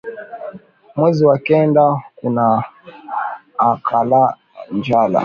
Mwezi wa kenda kunaikalaka njala